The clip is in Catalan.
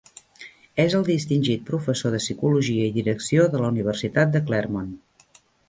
És el distingit professor de psicologia i direcció de la Universitat de Claremont.